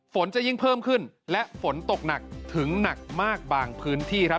ฝนจะยิ่งเพิ่มขึ้นและฝนตกหนักถึงหนักมากบางพื้นที่ครับ